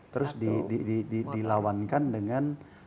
terus dilawankan dengan